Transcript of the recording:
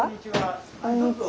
こんにちは。